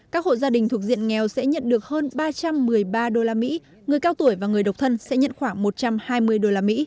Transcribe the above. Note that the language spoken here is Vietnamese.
các hộ gia đình thuộc diện nghèo sẽ nhận được hơn ba trăm một mươi ba đô la mỹ người cao tuổi và người độc thân sẽ nhận khoảng một trăm hai mươi đô la mỹ